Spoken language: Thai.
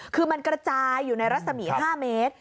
คือมันกระจายอยู่ในรัศมี๕เมตร